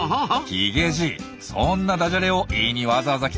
ヒゲじいそんなダジャレを言いにわざわざ来たんですか？